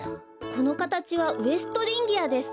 このかたちはウエストリンギアです。